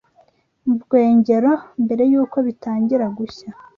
mu rwengero, mbere y’uko bitangira gushya